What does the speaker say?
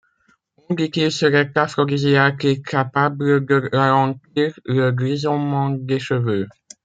On dit qu’il serait aphrodisiaque et capable de ralentir le grisonnement des cheveux.